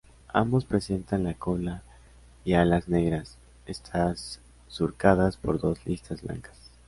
Ambos presentan la cola y alas negras, estas surcadas por dos listas blancas.